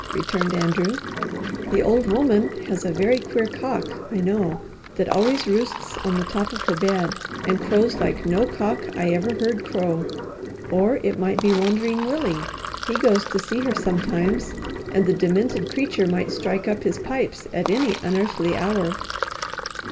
returned Andrew. "The old woman has a very queer cock, I know, that always roosts on the top of her bed, and crows like no cock I ever heard crow. Or it might be Wandering Willie he goes to see her sometimes, and the demented creature might strike up his pipes at any unearthly hour."